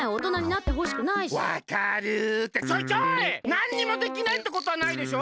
なんにもできないってことはないでしょ！